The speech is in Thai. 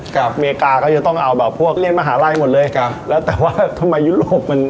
อเมริกาก็จะต้องเอาแบบพวกเรียกมหาลัยหมดเลยครับแล้วแต่ว่าทำไมยุโรปมัน